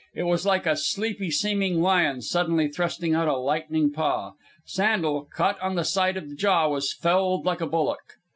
It was like a sleepy seeming lion suddenly thrusting out a lightning paw. Sandel, caught on the side of the jaw, was felled like a bullock.